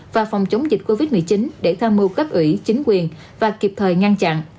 và phòng chống dịch covid một mươi chín để tham mưu cấp ủy chính quyền và kịp thời ngăn chặn